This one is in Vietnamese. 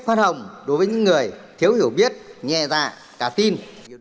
phát hồng đối với những người thiếu hiểu biết nhẹ dạ cả tin